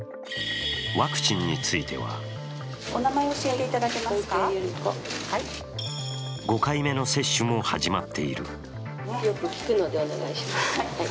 ワクチンについては５回目の接種も始まっている。